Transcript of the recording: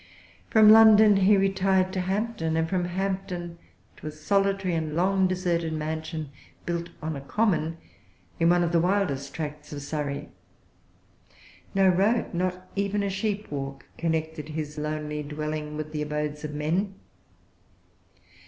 From London he retired to Hampton, and from Hampton to a solitary and long deserted mansion, built on a common in one of the wildest tracts of Surrey. No road, not even a sheep walk, connected his lonely dwelling with the abodes of men.